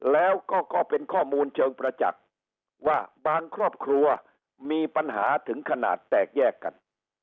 แล้วก็ก็เป็นข้อมูลเชิงประจักษ์ว่าบางครอบครัวมีปัญหาถึงขนาดแตกแยกกัน